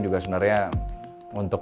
juga sebenarnya untuk